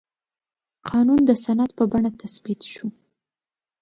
قانون د سند په بڼه تثبیت شو.